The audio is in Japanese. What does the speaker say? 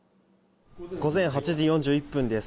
午前８時４１分です。